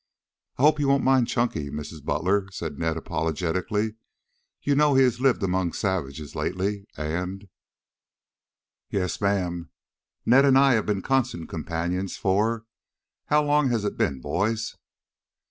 "I hope you won't mind Chunky, Mrs. Butler," said Ned apologetically. "You know he has lived among savages lately, and " "Yes, ma'am, Ned and I have been constant companions for how long has it been, boys?"